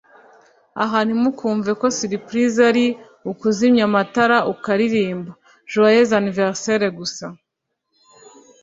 Aha ntimukumve ko surprises ari ukuzimya amatara ukaririmba « joyeux anniversaire » gusa